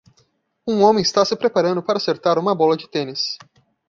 Um homem está se preparando para acertar uma bola de tênis.